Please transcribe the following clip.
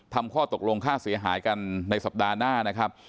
ข้อตกลงค่าเสียหายกันในสัปดาห์หน้านะครับ